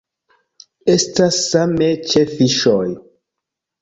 Estas same ĉe fiŝoj.